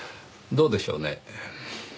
どうでしょうね。